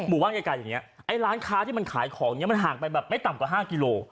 หมู่บ้านไกลอย่างนี้ไอ้ร้านค้าที่มันขายของเนี้ยมันห่างไปแบบไม่ต่ำกว่า๕กิโล